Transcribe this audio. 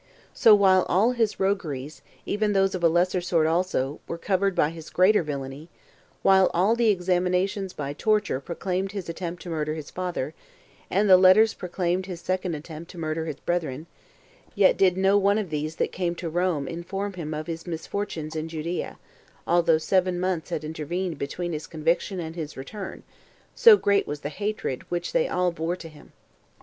So while all his rogueries, even those of a lesser sort also, were covered by his greater villainy, while all the examinations by torture proclaimed his attempt to murder his father, and the letters proclaimed his second attempt to murder his brethren; yet did no one of those that came to Rome inform him of his misfortunes in Judea, although seven months had intervened between his conviction and his return, so great was the hatred which they all bore to him.